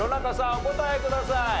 お答えください。